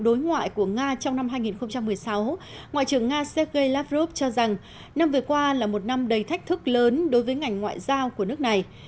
đối ngoại của nga trong năm hai nghìn một mươi sáu ngoại trưởng nga sergei lavrov cho rằng năm vừa qua là một năm đầy thách thức lớn đối với ngành ngoại giao của nước này